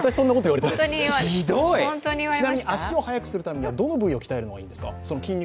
ちなみに足を速くするにはどの部位がいいんですか？